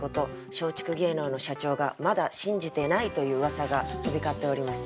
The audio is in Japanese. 松竹芸能の社長がまだ信じてないといううわさが飛び交っております。